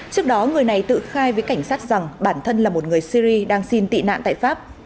trước đó người này tự khai với cảnh sát rằng bản thân là một người syri đang xin tị nạn tại pháp